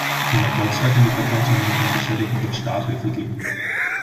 Im Erfolgsfall kann die Verpflanzung jedoch einem beschädigten Riff „Starthilfe“ geben.